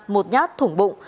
một nhát thủng bụng